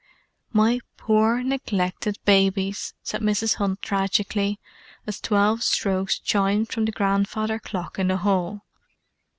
"My poor, neglected babies!" said Mrs. Hunt tragically, as twelve strokes chimed from the grandfather clock in the hall.